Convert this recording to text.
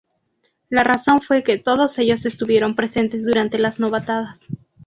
La razón fue que todos ellos estuvieron presentes durante las novatadas.